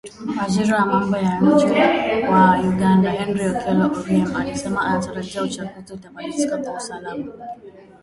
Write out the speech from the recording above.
Waziri wa Mambo ya Nje wa Uganda Henry Okello Oryem alisema anatarajia uchaguzi utamalizika kwa salama.